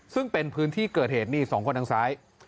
ซึ่งเป็นพื้นที่เกิดเหตุหนี้สองคนนั้นซ้าย